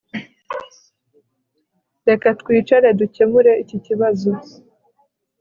Reka twicare dukemure iki kibazo